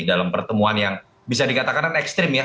dalam pertemuan yang bisa dikatakan ekstrim ya